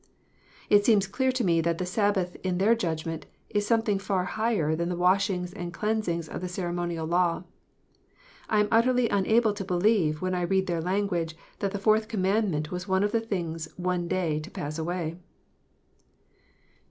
It seems clear to me that the Sabbath, in their judgment, is something far higher than the washings and cleansings of the ceremonial law. I am utterly unable to believe, when I read their language, that the Fourth Command ment was one of the things one day to pass away.